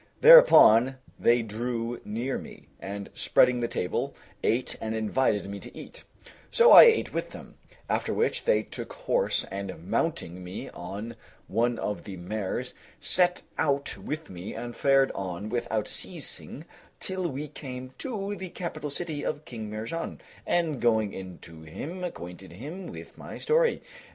Thereupon they drew near me, and spreading the table, ate and invited me to eat; so I ate with them, after which they took horse, and mounting me on one of the mares, set out with me and fared on without ceasing, till we came to the capital city of King Mihrján, and going in to him acquainted him with my story.